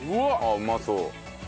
ああうまそう。